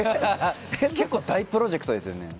結構大プロジェクトですよね。